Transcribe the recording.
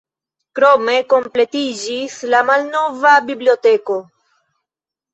Krome kompletiĝis la malnova biblioteko.